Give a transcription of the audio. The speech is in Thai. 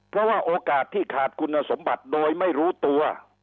เพราะว่าโอกาสที่ขาดคุณสมบัติโดยไม่รู้ตัว